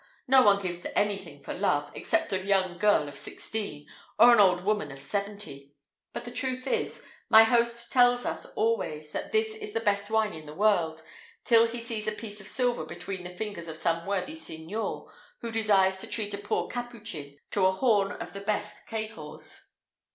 No one gives any thing for love, except a young girl of sixteen, or an old woman of seventy. But the truth is, my host tells us always that this is the best wine in the world, till he sees a piece of silver between the fingers of some worthy signor who desires to treat a poor Capuchin to a horn of the best Cahors."